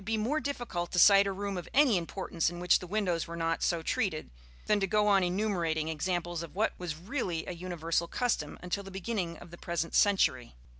In fact, it would be more difficult to cite a room of any importance in which the windows were not so treated, than to go on enumerating examples of what was really a universal custom until the beginning of the present century.